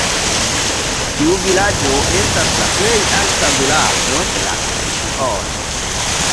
Tiu vilaĝo estas la plej alta vilaĝo de la regiono.